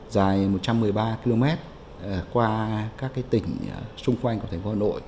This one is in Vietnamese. dài một trăm một mươi ba km qua các tỉnh xung quanh của thành phố hà nội